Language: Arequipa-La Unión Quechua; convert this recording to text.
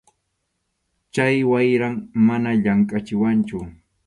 Chay wayram mana llamkʼachiwanchu.